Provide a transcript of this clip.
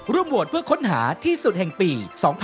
โหวตเพื่อค้นหาที่สุดแห่งปี๒๕๖๒